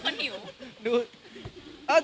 มีคนหิว